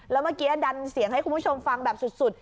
แล้วเมื่อกี้ดันเสียงให้คุณผู้ชมฟังแบบสุด